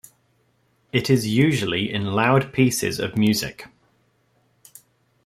It is usually in loud pieces of music.